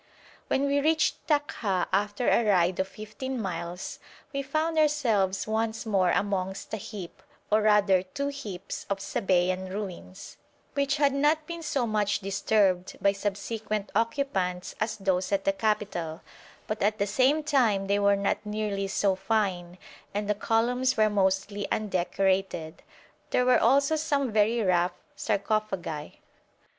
When we reached Takha, after a ride of fifteen miles, we found ourselves once more amongst a heap, or rather two heaps, of Sabæan ruins, which had not been so much disturbed by subsequent occupants as those at the capital, but at the same time they were not nearly so fine, and the columns were mostly undecorated. There were also some very rough sarcophagi.